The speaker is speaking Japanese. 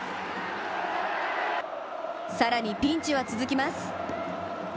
更にピンチは続きます。